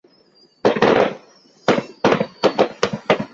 高昌区是中华人民共和国新疆维吾尔自治区吐鲁番市的一个市辖区。